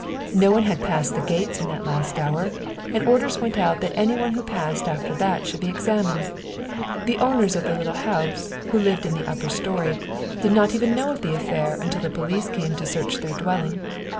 No one had passed the gates in that last hour, and orders went out that anyone who passed after that should be examined. The owners of the little house, who lived in the upper story, did not even know of the affair until the police came to search their dwelling.